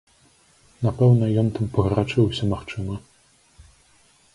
Напэўна, ён там пагарачыўся, магчыма.